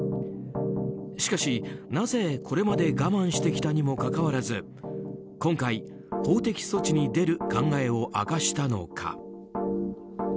しかし、なぜこれまで我慢してきたにもかかわらず今回、法的措置に出る考えを明かしたのか。